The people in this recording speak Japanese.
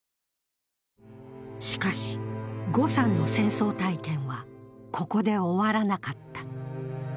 しかし、呉さんの戦争体験はここで終わらなかった。